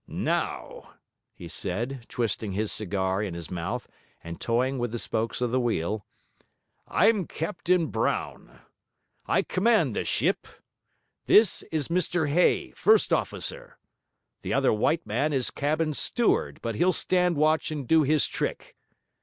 'Now,' he said, twisting his cigar in his mouth and toying with the spokes of the wheel, 'I'm Captain Brown. I command this ship. This is Mr Hay, first officer. The other white man is cabin steward, but he'll stand watch and do his trick.